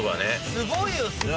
すごいよ！